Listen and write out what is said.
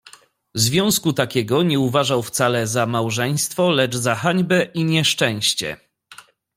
"Związku takiego nie uważał wcale za małżeństwo, lecz za hańbę i nieszczęście."